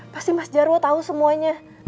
pasti mas jarwo tahu semuanya